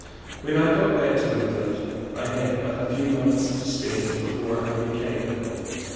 When I got back to England I had but a few months to spend before I became ill.